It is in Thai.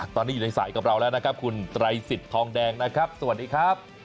ตอนนี้อยู่ในสายกับเราแล้วนะครับคุณไตรสิทธิ์ทองแดงนะครับสวัสดีครับ